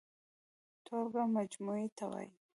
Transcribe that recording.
ټولګه مجموعې ته وايي.